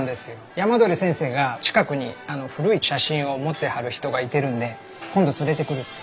山鳥先生が近くに古い写真を持ってはる人がいてるんで今度連れてくるって。